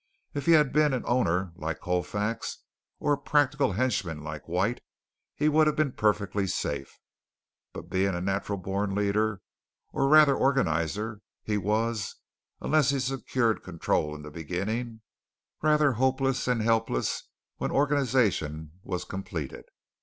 If he had been an owner, like Colfax, or a practical henchman like White, he would have been perfectly safe, but being a natural born leader, or rather organizer, he was, unless he secured control in the beginning, rather hopeless and helpless when organization was completed.